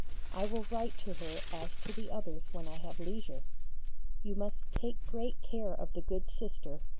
I will write to her as to the others when I have leisure. You must take great care of the good Sister